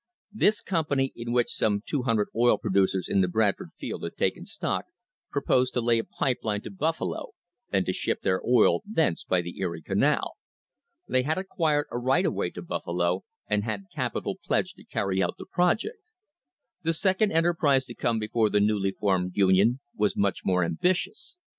This company, in which some 200 oil producers in the Bradford field had taken stock, proposed to lay a pipe line to Buffalo and to ship their oil thence by the Erie Canal. They had acquired a right of way to Buffalo and had capital pledged to carry out the project. The second enterprise to come before the newly formed union was much more ambitious.